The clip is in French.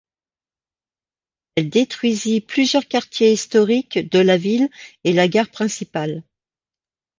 Elle détruisit plusieurs quartiers historiques de la ville et la gare principale.